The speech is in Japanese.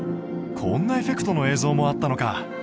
こんなエフェクトの映像もあったのか。